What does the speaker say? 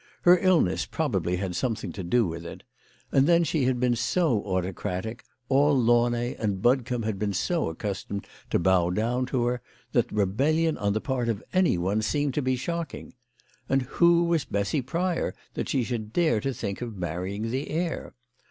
Her illness probably had something to do with it. And then she had been so autocratic, all Launay and Budcombe had been so accustomed to bow down to her, that rebellion on the part of anyone seemed to be shocking. And who was Bessy Pryor that she should dare to think of marrying the heir